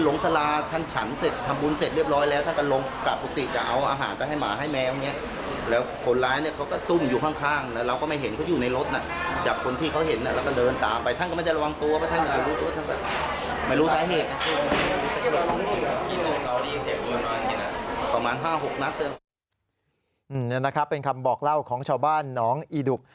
นี่นะครับเป็นคำบอกเล่าของชาวบ้านน้องอีดุก